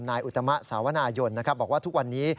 อุตมะสาวนายนบอกว่าทุกวันนี้